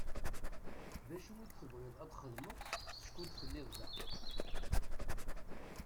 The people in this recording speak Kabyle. D acu i tebɣiḍ ad txedmeḍ skud telliḍ da?